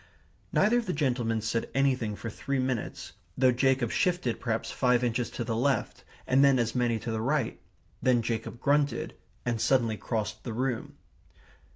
Neither of the gentlemen said anything for three minutes, though Jacob shifted perhaps five inches to the left, and then as many to the right. Then Jacob grunted, and suddenly crossed the room.